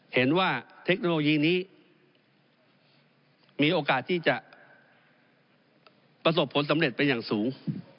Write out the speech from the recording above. เทคโนโลยีนี้มีโอกาสที่จะประสบผลสำเร็จไปอย่างสูง